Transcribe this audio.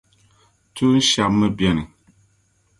Tuun’ shεba mi beni.